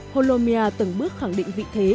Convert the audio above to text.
holomia từng bước khẳng định vị thế